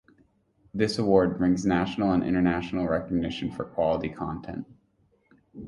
This award brings national and international recognition for quality content.